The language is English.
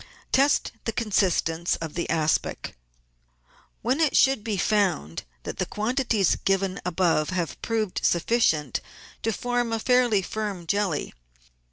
Test the consistence of the aspic, when it should be found that the quantities given above have proved sufficient to form a fairly firm jelly.